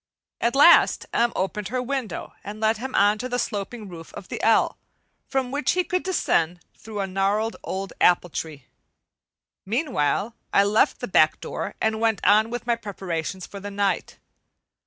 At last M. opened her window and let him on to the sloping roof of the "L," from which he could descend through a gnarled old apple tree. Meanwhile I left the back door and went on with my preparations for the night.